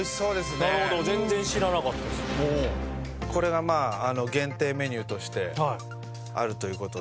これが限定メニューとしてあるという事で。